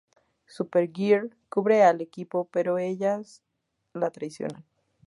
Supergirl cubre al equipo, pero ellos la traicionan.